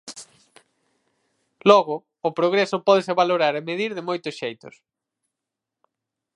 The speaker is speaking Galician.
Logo o progreso pódese valorar e medir de moitos xeitos.